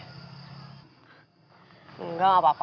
tidak tidak apa apa